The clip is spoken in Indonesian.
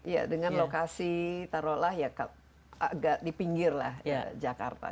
iya dengan lokasi taruh lah ya di pinggir lah jakarta